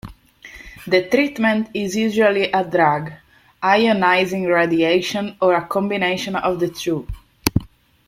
The treatment is usually a drug, ionizing radiation, or a combination of the two.